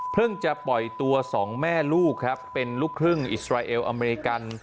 จะปล่อยตัวสองแม่ลูกครับเป็นลูกครึ่งอิสราเอลอเมริกัน